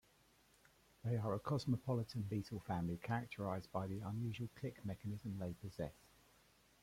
They are a cosmopolitan beetle family characterized by the unusual click mechanism they possess.